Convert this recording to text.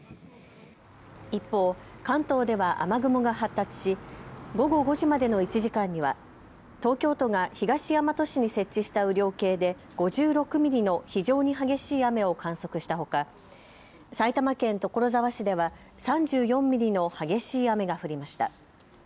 一方、関東では雨雲が発達し午後５時までの１時間には東京都が東大和市に設置した雨量計で５６ミリの非常に激しい雨を観測したほか埼玉県所沢市では３４ミリの激しい雨が降りました。